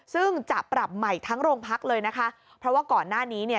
ซึ่งจะปรับใหม่ทั้งโรงพักเลยนะคะเพราะว่าก่อนหน้านี้เนี่ย